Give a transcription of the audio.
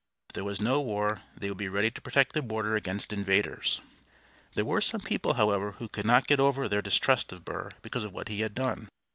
If there was no war they would be ready to protect the border against invaders. There were some people, however, who could not get over their distrust of Burr because of what he had done.